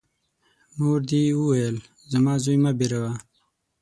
مور دي وویل : زما زوی مه بېروه!